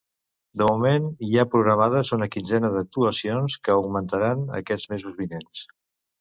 De moment, hi ha programades una quinzena d’actuacions, que augmentaran aquests mesos vinents.